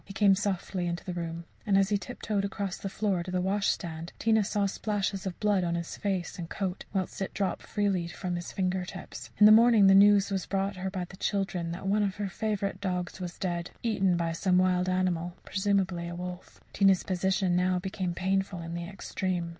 He came softly into the room, and as he tiptoed across the floor to the washstand, Tina saw splashes of blood on his face and coat, whilst it dripped freely from his finger tips. In the morning the news was brought her by the children that one of her favourite dogs was dead eaten by some wild animal, presumably a wolf. Tina's position now became painful in the extreme.